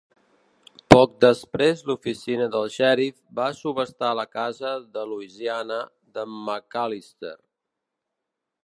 Poc després l'oficina del xèrif va subhastar la casa de Louisiana d'en McAllister.